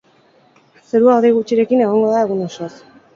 Zerua hodei gutxirekin egongo da egun osoz.